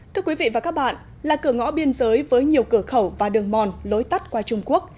thưa quý vị và các bạn là cửa ngõ biên giới với nhiều cửa khẩu và đường mòn lối tắt qua trung quốc